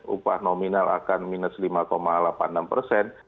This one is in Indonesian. upah nominal akan minus lima delapan puluh enam persen